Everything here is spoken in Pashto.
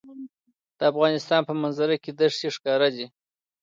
د افغانستان په منظره کې دښتې ښکاره دي.